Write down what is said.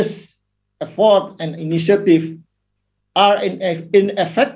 usaha dan inisiatif yang sangat besar